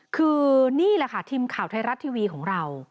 คือนี่แหละค่ะทีมข่าวไทยรัฐทีวีของเรา